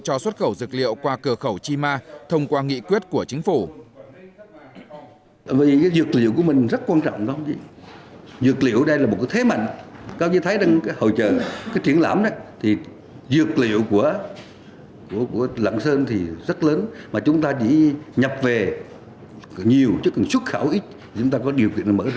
cho xuất khẩu dược liệu qua cờ khẩu chima thông qua nghị quyết của chính phủ